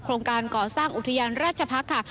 โครงการก่อสร้างอุทยานราชพักษ์ค่ะ